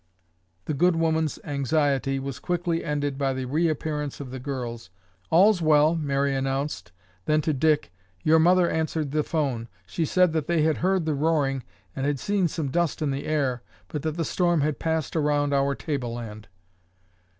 The good woman's anxiety was quickly ended by the reappearance of the girls. "All's well!" Mary announced. Then to Dick, "Your mother answered the phone. She said that they had heard the roaring and had seen some dust in the air but that the storm had passed around our tableland."